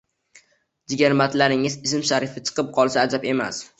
jigarbandlaringiz ism-sharifi chiqib qolsa ajab emas.